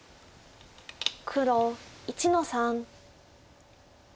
黒１の三。